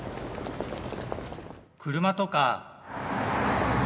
車とか。